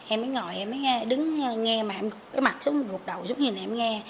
em mới ngồi em mới nghe đứng nghe mặt xuống gục đầu xuống nhìn em nghe